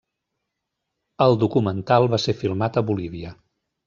El documental va ser filmat a Bolívia.